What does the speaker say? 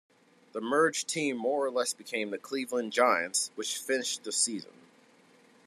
The merged team more or less became the Cleveland Giants, which finished the season.